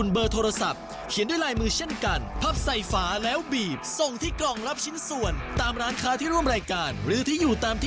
เพราะฉะนั้นกติกาเป็นยังไงไปฟังกันเลย